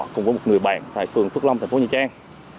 cùng với một người bạn tại phường phước long thành phố nha trang